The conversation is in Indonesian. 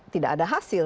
tidak ada hasil